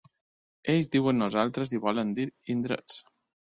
Ells diuen nosaltres i volen dir indrets.